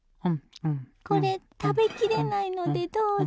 これ食べきれないのでどうぞ。